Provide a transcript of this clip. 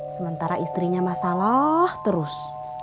sementara istrinya masalah terus